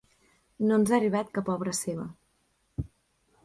No ens ha arribat cap obra seva.